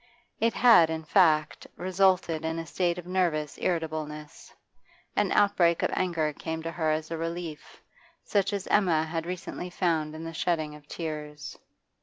It had, in fact, resulted in a state of nervous irritableness; an outbreak of anger came to her as a relief, such as Emma had recently found in the shedding of tears.